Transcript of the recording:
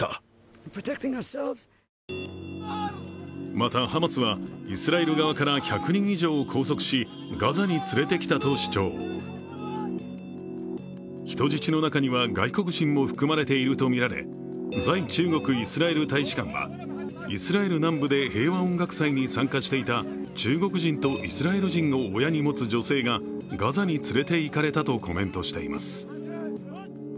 また、ハマスはイスラエル側から１００人以上を拘束し、ガザに連れてきたと主張、人質の中には外国人も含まれているとみられ、在中国イスラエル大使館はイスラエル南部で平和音楽祭に参加していた中国人とイスラエル人を親に持つ女性がガザに連れていかれたとコメントしています。